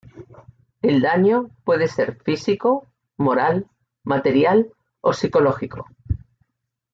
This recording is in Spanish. El daño puede ser físico, moral, material o psicológico.